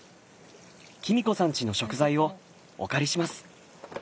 キミ子さんちの食材をお借りします。